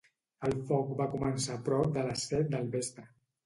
El foc va començar prop de les set del vespre.